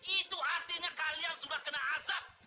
itu artinya kalian sudah kena asap